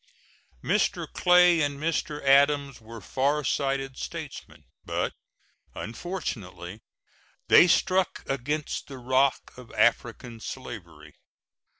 Mr. Clay and Mr. Adams were far sighted statesmen, but, unfortunately, they struck against the rock of African slavery.